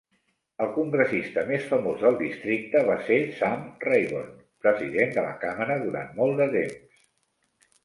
El congressista més famós del districte va ser Sam Rayburn, president de la càmera durant molt de temps.